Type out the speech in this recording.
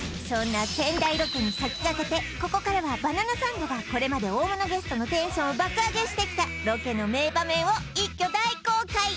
そんな仙台ロケに先駆けてここからは「バナナサンド」がこれまで大物ゲストのテンションを爆上げしてきたロケの名場面を一挙大公開